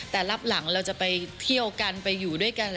แต่รับหลังเราจะไปเที่ยวกันไปอยู่ด้วยกัน